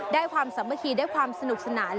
ได้ความสำคัญได้ความสนุกสนาน